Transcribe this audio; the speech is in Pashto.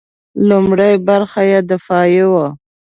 لومړۍ برخه یې دفاعي وه.